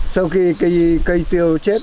sau khi cây tiêu chết